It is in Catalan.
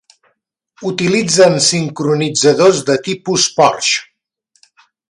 Utilitzen sincronitzadors de tipus Porsche.